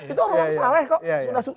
itu orang orang saleh kok